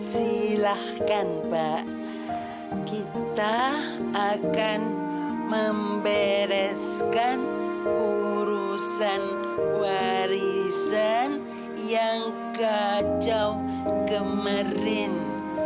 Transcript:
silahkan pak kita akan membereskan urusan warisan yang kacau kemarin